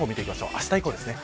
あした以降です。